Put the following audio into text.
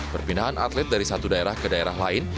perpindahan atlet dari satu daerah ke daerah lain